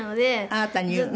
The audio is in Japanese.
あなたに言うの？